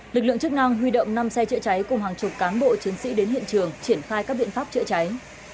lực lượng chức năng huy động năm xe chữa cháy cùng hàng chục cán bộ chiến sĩ đến hiện trường triển khai các biện pháp chữa cháy